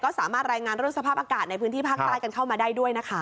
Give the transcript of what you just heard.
สามารถรายงานเรื่องสภาพอากาศในพื้นที่ภาคใต้กันเข้ามาได้ด้วยนะคะ